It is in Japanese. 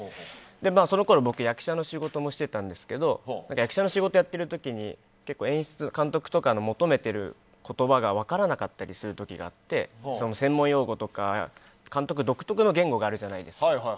そのころ、僕役者の仕事もしていたんですけど役者の仕事をやっている時に演出、監督とかの求めている言葉が分からなかったりする時があって専門用語とか監督独特の言語があるじゃないですか。